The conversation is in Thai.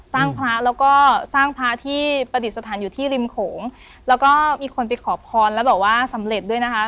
สร้างพระแล้วก็สร้างพระที่ประดิษฐานอยู่ที่ริมโขงแล้วก็มีคนไปขอพรแล้วบอกว่าสำเร็จด้วยนะคะ